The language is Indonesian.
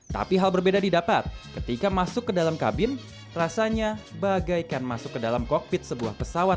tapi hal berbeda didapat ketika masuk ke dalam kabin rasanya bagaikan masuk ke dalam kokpit sebuah pesawat